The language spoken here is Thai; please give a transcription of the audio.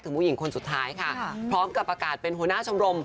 ผู้หญิงคนสุดท้ายค่ะพร้อมกับประกาศเป็นหัวหน้าชมรม